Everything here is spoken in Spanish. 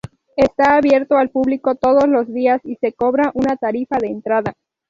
Está abierto al público todos los días y se cobra una tarifa de entrada.